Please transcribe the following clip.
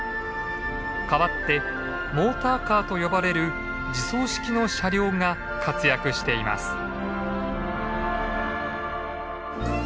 代わってモーターカーと呼ばれる自走式の車両が活躍しています。